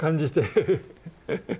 フフフ！